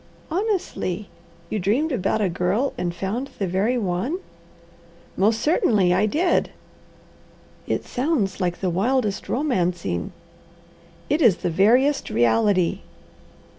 "Honestly, you dreamed about a girl, and found the very one?" "Most certainly, I did." "It sounds like the wildest romancing." "It is the veriest reality."